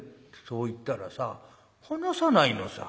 そう言ったらさ話さないのさ。